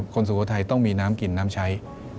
สุโขทัยต้องมีน้ำกินน้ำใช้